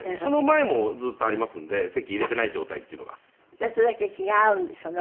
じゃあそれだけ気が合うんでしょうね